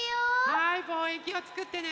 はいぼうえんきょうつくってね。